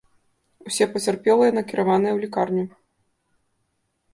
Усе пацярпелыя накіраваныя ў лякарню.